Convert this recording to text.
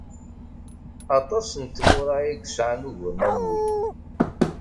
Aṭas n tmura ay yesɛan uguren am wi.